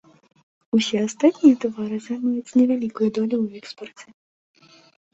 Усе астатнія тавары займаюць невялікую долю ў экспарце.